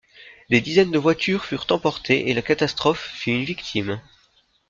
Des dizaines de voitures furent emportés et la catastrophe fit une victime.